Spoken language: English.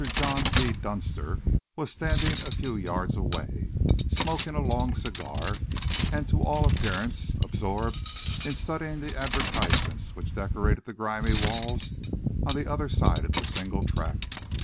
JOHN P. DUNSTER, was standing a few yards away, smoking a long cigar, and, to all appearance absorbed in studying the advertisements which decorated the grimy wall on the other side of the single track.